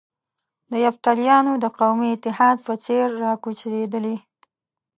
د یفتلیانو د قومي اتحاد په څېر را کوچېدلي.